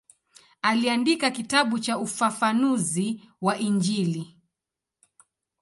Aliandika kitabu cha ufafanuzi wa Injili.